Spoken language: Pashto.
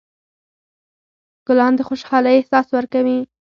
ګلان د خوشحالۍ احساس ورکوي.